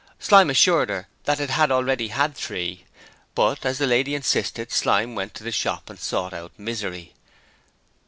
Slyme assured her that it had already had three, but, as the lady insisted, Slyme went to the shop and sought out Misery.